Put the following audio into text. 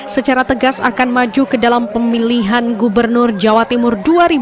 secara tegas akan maju ke dalam pemilihan gubernur jawa timur dua ribu dua puluh